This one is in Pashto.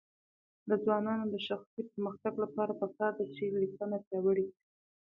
د ځوانانو د شخصي پرمختګ لپاره پکار ده چې لیکنه پیاوړې کړي.